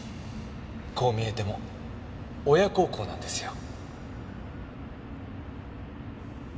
こう見えても親孝行なんですよ。